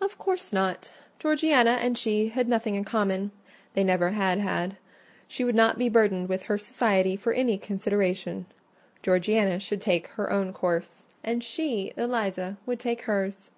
"Of course not. Georgiana and she had nothing in common: they never had had. She would not be burdened with her society for any consideration. Georgiana should take her own course; and she, Eliza, would take hers."